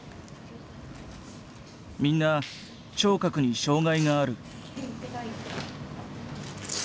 みんな聴覚に障害がある。